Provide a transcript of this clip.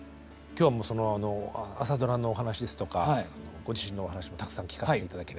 今日はその朝ドラのお話ですとかご自身のお話もたくさん聞かせて頂ければと。